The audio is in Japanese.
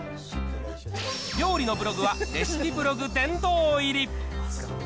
料理のブログはレシピブログ殿堂入り。